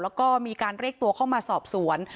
แล้วก็มีการเรียกตัวเข้ามาสอบสวน